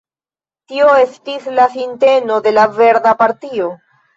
Tio estis la sinteno de la Verda Partio.